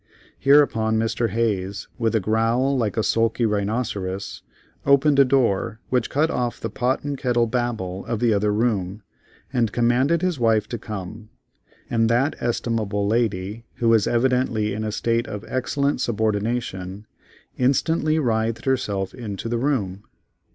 Hereupon Mr. Hayes, with a growl like a sulky rhinoceros, opened the door which cut off the pot and kettle Babel of the other room, and commanded his wife to come, and that estimable lady, who is evidently in a state of excellent subordination, instantly writhed herself into the room.